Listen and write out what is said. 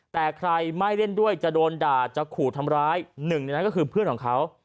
แต่ใครไม่เล่นด้วยจะโดนด่าจะขู่ทำร้ายหนึ่งในนั้นก็คือเพื่อนของเขา